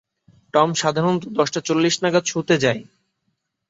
Tom সাধারণত দশটা চল্লিশ নাগাদ শুতে যায়।